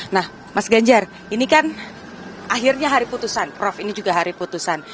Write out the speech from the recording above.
nah mas ganjar ini kan akhirnya hari putusan prof ini juga hari putusan